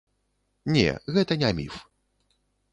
Не, гэта не міф.